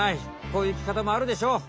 こういう生きかたもあるでしょう。